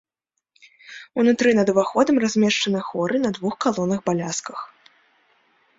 Унутры над уваходам размешчаны хоры на двух калонах-балясках.